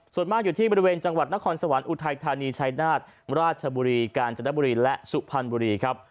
ส่วนมากอยู่ที่บริเวณจังหวัดนครสวรรค์อุทัยธานีชายนาฏราชบุรีกาญจนบุรีและสุพรรณบุรีครับ